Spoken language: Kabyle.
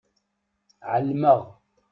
Ɛelmeɣ.